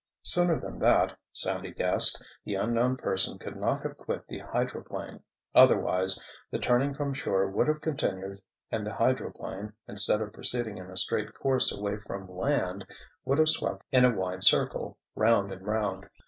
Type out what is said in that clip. Sooner than that, Sandy guessed, the unknown person could not have quit the hydroplane: otherwise the turning from shore would have continued and the hydroplane, instead of proceeding in a straight course away from land, would have swept in a wide circle, round and round.